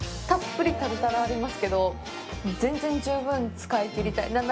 たっぷりタルタルありますけど、全然、十分使いきりたい。